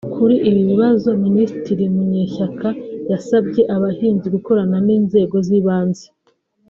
Kuri ibi bibazo Minisitiri Munyeshyaka yasabye abahinzi gukorana n’inzego z’ibanze